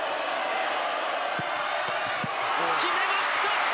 決めました！